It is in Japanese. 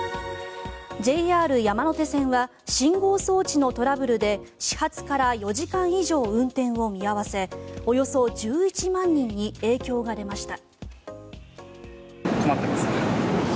ＪＲ山手線は信号装置のトラブルで始発から４時間以上運転を見合わせおよそ１１万人に影響が出ました。